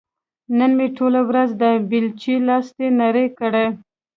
نن مې ټوله ورځ د بېلچې لاستي نري کړ.